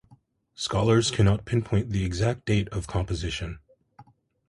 Scholars cannot pinpoint the exact date of composition.